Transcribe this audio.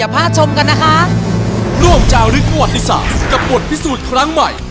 กันนะคะร่วมเจ้าฤทธิ์ประวัติศาสตร์กับบทพิสูจน์ครั้งใหม่